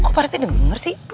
kok pak rete denger sih